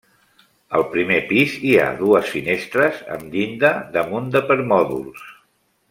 Al primer pis hi ha dues finestres amb llinda damunt de permòdols.